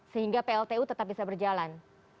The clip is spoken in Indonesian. sehingga pltu tetap bisa berjalan